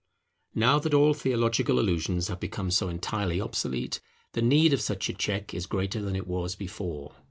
Now that all theological illusions have become so entirely obsolete, the need of such a check is greater than it was before.